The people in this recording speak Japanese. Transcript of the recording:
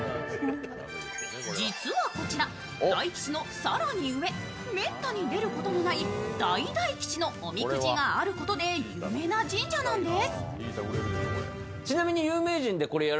実はこちら、大吉の更に上、めったに出ることのない大大吉のおみくじがあることで有名な神社なんです。